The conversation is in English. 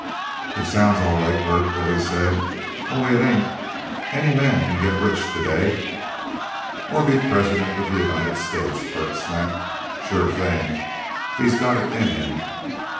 "It sounds all right, Bert," Billy said, "only it ain't. Any man can get rich to day " "Or be president of the United States," Bert snapped. "Sure thing if he's got it in him.